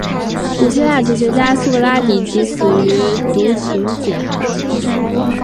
古希腊哲学家苏格拉底即死于毒芹碱。